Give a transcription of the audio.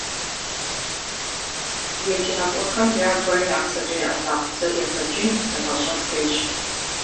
Еджакӏуэхэм ягурэ я псэкӏэ ялъагъу бзэр егъэджын, егъэщӏэн хуейщ.